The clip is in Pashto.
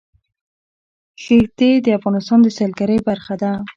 ښتې د افغانستان د سیلګرۍ برخه ده.